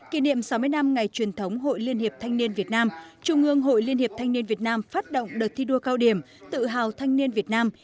kỷ niệm sáu mươi năm ngày truyền thống hội liên hiệp thanh niên việt nam trung ương hội liên hiệp thanh niên việt nam phát động đợt thi đua cao điểm tự hào thanh niên việt nam